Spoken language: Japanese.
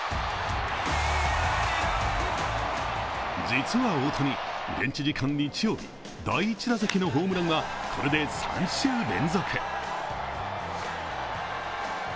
実は大谷、現地時間日曜日、第１打席のホームランは、これで３週連続。